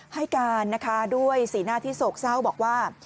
ให้การนะคะด้วยสีหน้าที่โศกเศร้าบอกว่า